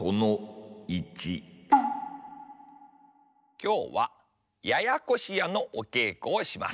きょうはややこしやのおけいこをします。